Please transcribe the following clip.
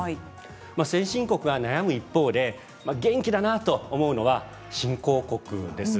先進国が悩む一方で元気だなと思うのが新興国です。